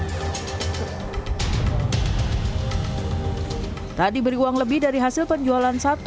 tidak diberi uang lebih dari hasil penjualan satu